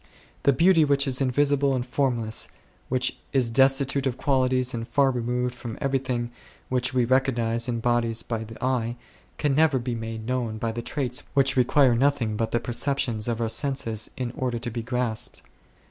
The Beauty which is invisible and formless, which is desti tute of qualities and far removed from every thing which we recognize in bodies by the eye, can never be made known by the traits which require nothing but the perceptions of our senses in order to be grasped.